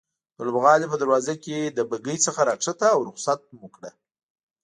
د لوبغالي په دروازه کې له بګۍ څخه راکښته او رخصت مو کړه.